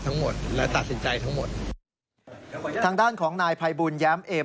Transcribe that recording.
ทางด้านของนายพัยบุญแย้มเอ็ม